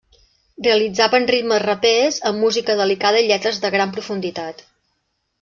Realitzaven ritmes rapers amb música delicada i lletres de gran profunditat.